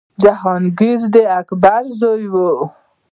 جهانګیر د اکبر زوی و.